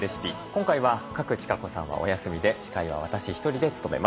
今回は賀来千香子さんはお休みで司会は私１人で務めます。